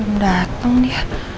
belum datang nih